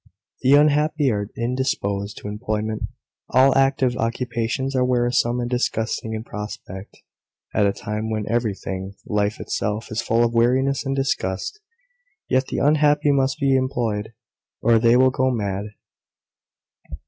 The unhappy are indisposed to employment: all active occupations are wearisome and disgusting in prospect, at a time when everything, life itself, is full of weariness and disgust. Yet the unhappy must be employed, or they will go mad.